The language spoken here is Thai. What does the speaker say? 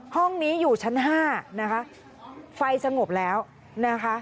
ห้องนี้อยู่ชั้นห้านะคะไฟสงบแล้วนะคะ